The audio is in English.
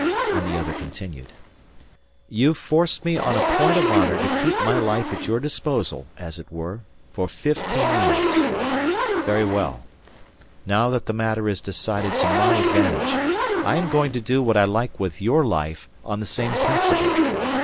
And the other continued: "You've forced me on a point of honour to keep my life at your disposal, as it were, for fifteen years. Very well. Now that the matter is decided to my advantage, I am going to do what I like with your life on the same principle.